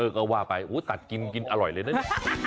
เออก็ว่าไปอุ้ยตัดกินอร่อยเลยนะ